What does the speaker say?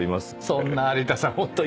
そんな有田さんホント。